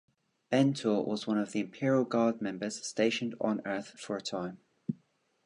Mentor was one of the Imperial Guard members stationed on Earth for a time.